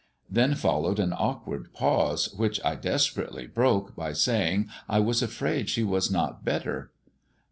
Then followed an awkward pause, which I desperately broke by saying I was afraid she was not better.